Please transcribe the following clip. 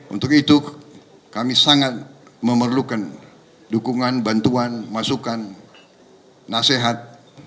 untuk itu kami sangat memerlukan dukungan bantuan masukan nasihat